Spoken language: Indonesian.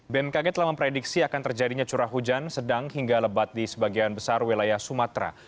bmkg telah memprediksi akan terjadinya curah hujan sedang hingga lebat di sebagian besar wilayah sumatera